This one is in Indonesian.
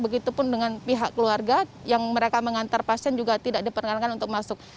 begitupun dengan pihak keluarga yang mereka mengantar pasien juga tidak diperkenankan untuk masuk